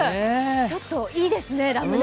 ちょっといいですね、ラムネ。